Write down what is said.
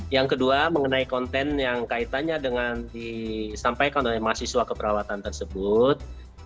yang kedua mengenai konten yang kaitannya dengan disampaikan oleh mahasiswa keperawatan tersebut